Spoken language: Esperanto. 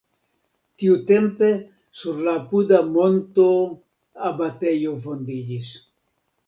Tiutempe sur la apuda monto abatejo fondiĝis.